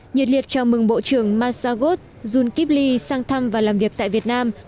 nhiệt liệt chào mừng bộ trưởng massagot zunkibli sang thăm và làm việc tại việt nam